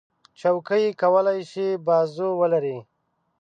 چوکۍ کولی شي بازو ولري.